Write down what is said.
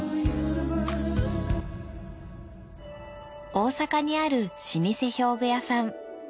大阪にある老舗表具屋さん。